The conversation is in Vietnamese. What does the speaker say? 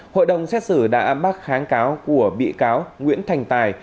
hội đồng xét xử đã bác kháng cáo của bị cáo nguyễn thành tài